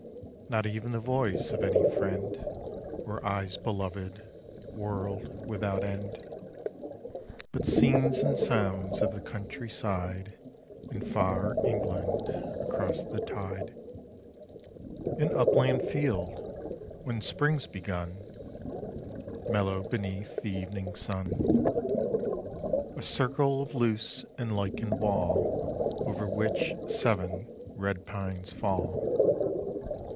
Not even the voice of any friend Or eyes beloved world without end, But scenes and sounds of the countryside In far England across the tide: An upland field when Spring's begun, Mellow beneath the evening sun.... A circle of loose and lichened wall Over which seven red pines fall....